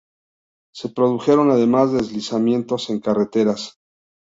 Se produjeron además deslizamientos en carreteras.